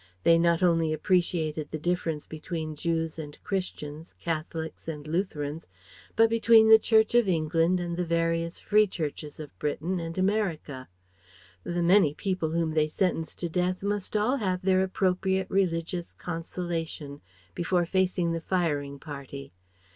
They not only appreciated the difference between Jews and Christians, Catholics and Lutherans, but between the Church of England and the various Free Churches of Britain and America. The many people whom they sentenced to death must all have their appropriate religious consolation before facing the firing party.